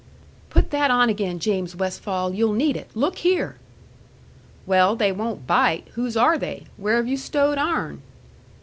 "Put that on again, James Westfall. You'll need it. Look here!" "Well, they won't bite. Whose are they? Where have you stowed ourn?"